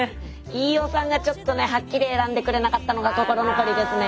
飯尾さんがちょっとねはっきり選んでくれなかったのが心残りですね。